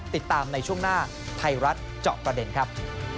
ติดตามในช่วงหน้าไทยรัฐเจาะประเด็นครับ